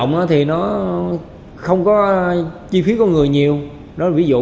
chỉ có chi phí con người nhiều đó là ví dụ